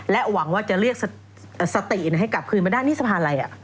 และหวังว่าจะเรียกสติให้กลับคืนมาด้านนี้สภาลัย